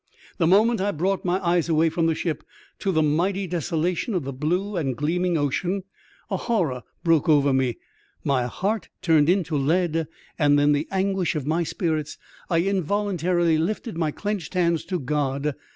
The moment I brought my eyes away from the ship to the mighty desolation of the blue and gleaming ocean, a horror broke upon me, my heart turned into lead, and in the anguish of my spirits I involuntarily lifted my clenched hands to God.